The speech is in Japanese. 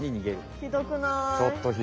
ひどくない？